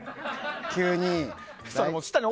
急に。